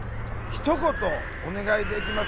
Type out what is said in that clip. ひと言お願いできますか？